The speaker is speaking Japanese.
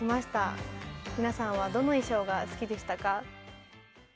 皆さんはどの衣装が好きでしたか？